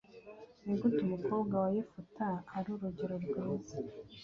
ni gute umukobwa wa yefuta ari urugero rwiza